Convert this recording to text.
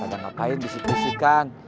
ada ngapain bisik bisikan